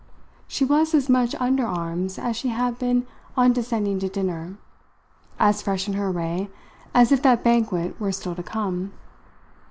She was as much under arms as she had been on descending to dinner as fresh in her array as if that banquet were still to come.